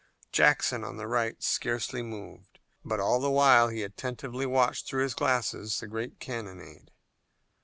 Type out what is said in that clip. Jackson on the right scarcely moved, but all the while he attentively watched through his glasses the great cannonade.